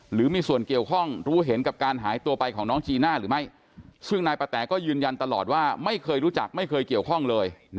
หรือมีส่วนเกี่ยวข้องรู้เห็นกับการหายตัวไปของน้องจีน่าหรือไม่ซึ่งนายปะแต๋ก็ยืนยันตลอดว่าไม่เคยรู้จักไม่เคยเกี่ยวข้องเลย